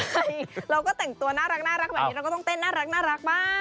เราก็แต่งตัวน่ารักแบบนี้เราก็ต้องเต้นน่ารักบ้าง